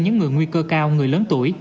những người nguy cơ cao người lớn tuổi